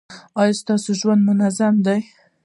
ایا ستاسو ژوند منظم دی؟